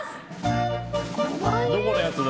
どこのやつだ？